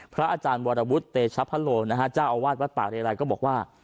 พระอาจารย์วรวุฒิเตชะพะโลนะฮะเจ้าอาวาสวัดป่าเรไรก็บอกว่า